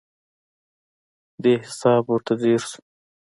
دې حساب ورته ځیر شو.